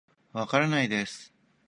わからないです